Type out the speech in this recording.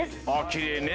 きれいね。